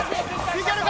いけるか。